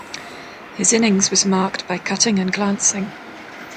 His innings was marked by cutting and glancing.